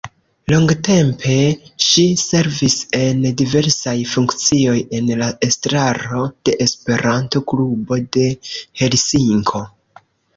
Longtempe ŝi servis en diversaj funkcioj en la estraro de Esperanto-Klubo de Helsinko.